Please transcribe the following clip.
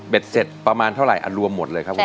เบ็ดเสร็จประมาณเท่าไหร่อันรวมหมดเลยครับคุณแม่